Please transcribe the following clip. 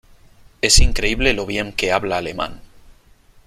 Es increíble lo bien que habla alemán.